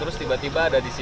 eh teman teman hari ini